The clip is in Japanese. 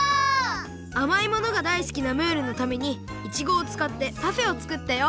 あまいものがだいすきなムールのためにイチゴをつかってパフェをつくったよ！